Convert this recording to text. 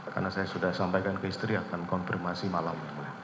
karena saya sudah sampaikan ke istri akan konfirmasi malam